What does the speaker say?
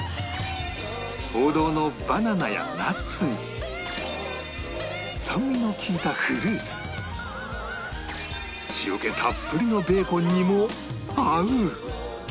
王道のバナナやナッツに酸味の利いたフルーツ塩気たっぷりのベーコンにも合う！